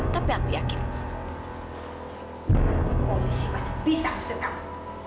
tapi aku yakin polisi pasti bisa ngusir kamu